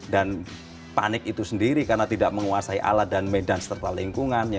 dan panik itu sendiri karena tidak menguasai alat dan medan serta lingkungannya